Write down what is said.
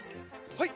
はい。